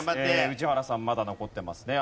宇治原さんまだ残ってますね。